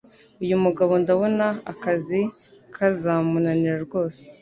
Uyu mugabo ndabona akazi kazamunanira rwose